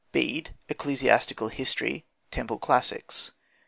d. Bede, Ecclesiastical History: Temple Classics.